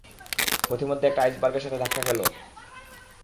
পথিমধ্যে একটা আইসবার্গের সাথে ধাক্কা খেল?